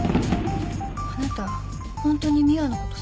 あなたホントに美羽のこと好きなの？